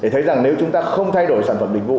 thấy rằng nếu chúng ta không thay đổi sản phẩm dịch vụ